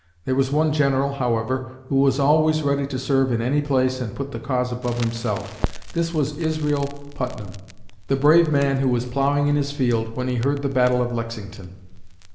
There was one general, however, who was always ready to serve in any place and put the cause above himself. This was Israel Putnam, the brave man who was plowing in his field when he heard of the Battle of Lexington.